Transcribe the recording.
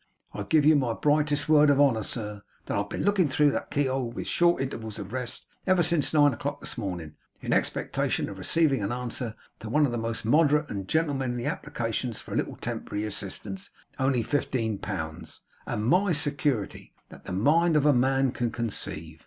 I give you my brightest word of honour, sir, that I've been looking through that keyhole with short intervals of rest, ever since nine o'clock this morning, in expectation of receiving an answer to one of the most moderate and gentlemanly applications for a little temporary assistance only fifteen pounds, and MY security that the mind of man can conceive.